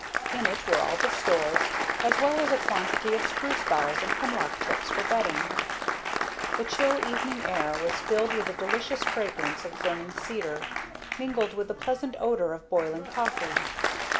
In it were all the stores, as well as a quantity of spruce boughs and hemlock tips for bedding. The chill evening air was filled with a delicious fragrance of burning cedar, mingled with the pleasant odor of boiling coffee.